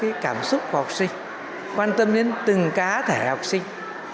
quan tâm đến các học sinh quan tâm đến từng cá thể học sinh